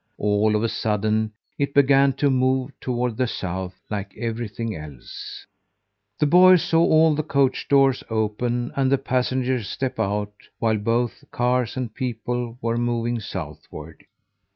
All of a sudden it began to move toward the south, like everything else. The boy saw all the coach doors open and the passengers step out while both cars and people were moving southward.